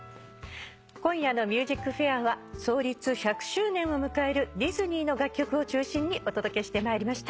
今夜の『ＭＵＳＩＣＦＡＩＲ』は創立１００周年を迎えるディズニーの楽曲を中心にお届けしてまいりました。